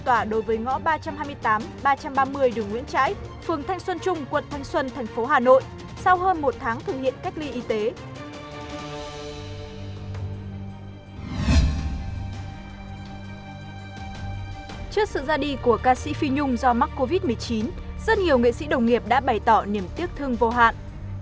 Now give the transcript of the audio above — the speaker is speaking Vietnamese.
trước sự ra đi của ca sĩ phi nhung do mắc covid một mươi chín rất nhiều nghệ sĩ đồng nghiệp đã bày tỏ niềm tiếc thương vô hạn